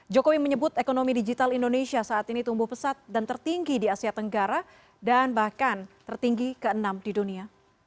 jokowi menyebut ekonomi digital indonesia saat ini tumbuh pesat dan tertinggi di asia tenggara dan bahkan tertinggi ke enam di dunia